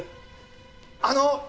あの！